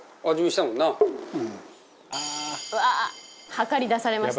「測り出されました」